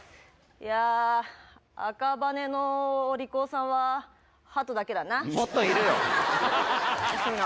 いやー、赤羽のお利口さんは、はとだけだな。